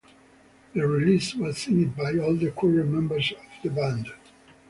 The release was signed by all the current members of the band.